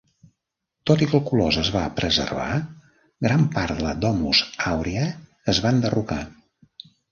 Tot i que el colós es va preservar, gran part de la Domus Aurea es va enderrocar.